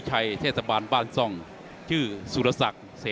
นักมวยจอมคำหวังเว่เลยนะครับ